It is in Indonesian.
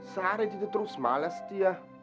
seharian dia terus malas dia